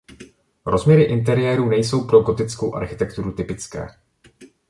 Rozměry interiéru nejsou pro gotickou architekturu typické.